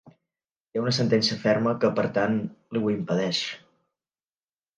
Té una sentència ferma que, per tant, li ho impedeix.